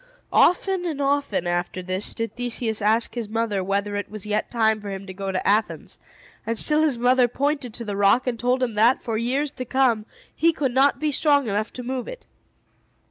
Often and often, after this, did Theseus ask his mother whether it was yet time for him to go to Athens; and still his mother pointed to the rock, and told him that, for years to come, he could not be strong enough to move it.